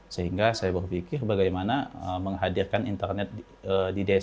sehingga saya berpikir bagaimana menghadirkan internet di desa